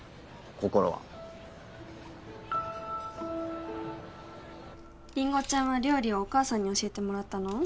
心はりんごちゃんは料理はお母さんに教えてもらったの？